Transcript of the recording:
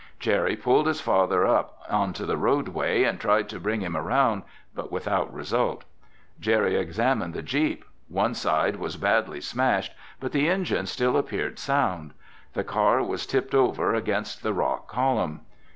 Jerry pulled his father up onto the roadway and tried to bring him around, but without result. Jerry examined the jeep. One side was badly smashed, but the engine still appeared sound. The car was tipped over against the rock column.